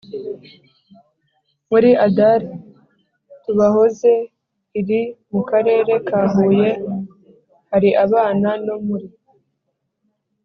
Muri adar tubahoze iri mu karere ka huye hari abana no muri